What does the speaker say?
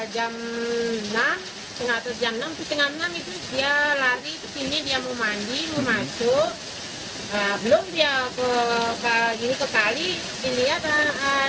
jam enam setengah enam itu dia lari ke sini